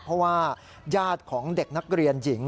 เพราะว่าญาติของเด็กนักเรียนหญิง